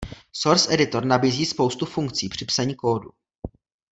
Source editor nabízí spoustu funkci při psaní kódu.